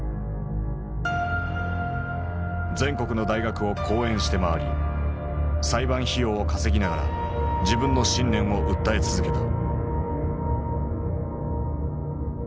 全国の大学を講演して回り裁判費用を稼ぎながら自分の信念を訴え続けた。